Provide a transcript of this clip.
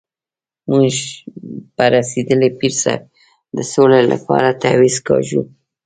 موږ په رسېدلي پیر صاحب د سولې لپاره تعویض کاږو.